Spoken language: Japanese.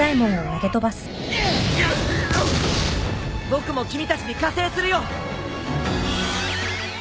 僕も君たちに加勢するよ。